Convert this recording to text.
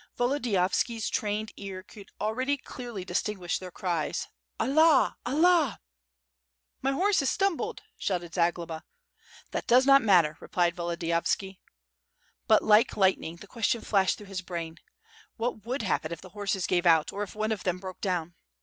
Volodiyovski's trained ear could already clearly distinguish their cries: 678 W^^^ ^^^^^^^ SWORD. "Allah! Allahr ,. *'My horse has stumbled/' shouted Zagloba. "That does not matter," replied Volodiyovski. But like lightning the question flashed through his brain: "What would happen if the horses gave out, or if one of them broke down?''